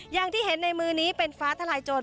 อย่างที่เห็นในมือนี้เป็นฟ้าทลายโจร